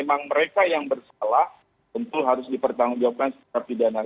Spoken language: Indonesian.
mereka yang bersalah tentu harus dipertanggung jawaban pidana